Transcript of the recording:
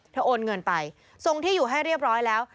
โอนเงินไปส่งที่อยู่ให้เรียบร้อยแล้ว